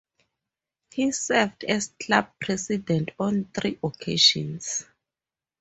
He served as club president on three occasions.